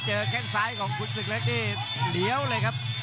แข้งซ้ายของคุณศึกเล็กนี่เหลียวเลยครับ